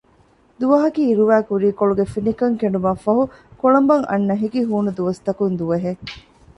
ދުވަހަކީ އިރުވައި ކުރީކޮޅުގެ ފިނިކަން ކެނޑުމަށް ފަހު ކޮޅުނބަށް އަންނަ ހިކި ހޫނު ދުވަސްތަކުން ދުވަހެއް